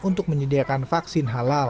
untuk menyediakan vaksin halal